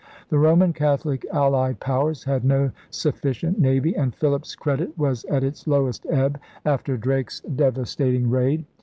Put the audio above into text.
The Roman Catholic allied powers had no sufficient navy, and Philip's credit was at its lowest ebb after Drake's devastat ing raid.